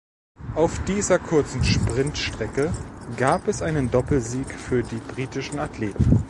Auf dieser kurzen Sprintstrecke gab es einen Doppelsieg für die britischen Athleten.